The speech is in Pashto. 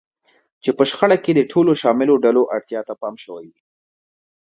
چې په شخړه کې د ټولو شاملو ډلو اړتیا ته پام شوی وي.